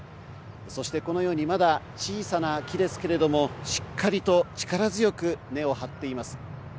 そしてこのようにまだ小さな木ですけれども、しっかりと力強く根をはっています。